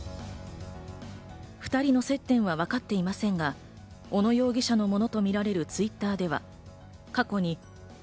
２人の接点はわかっていませんが、小野容疑者のものとみられるＴｗｉｔｔｅｒでは、過去に「＃